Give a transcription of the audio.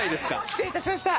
失礼いたしました。